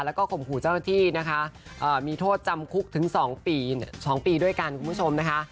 แล้วก็ข่มขู่เจ้าหน้าที่นะคะมีโทษจำคุกถึง๒ปีด้วยกันคุณผู้ชมนะคะ